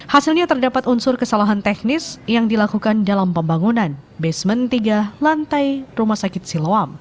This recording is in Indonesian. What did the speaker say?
hasilnya terdapat unsur kesalahan teknis yang dilakukan dalam pembangunan basement tiga lantai rumah sakit siloam